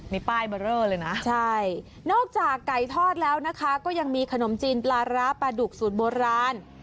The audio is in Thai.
มีป้ายเบอร์เรอเลยนะใช่นอกจากไก่ทอดแล้วนะคะก็ยังมีขนมจีนปลาร้าปลาดุกสูตรโบราณ